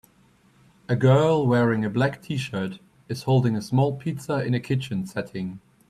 A girl wearing a black tshirt is holding a small pizza in a kitchen setting.